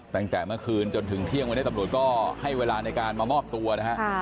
ตั้งแต่เมื่อคืนจนถึงเที่ยงวันนี้ตำรวจก็ให้เวลาในการมามอบตัวนะฮะ